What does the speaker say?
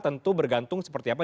tentu bergantung seperti apa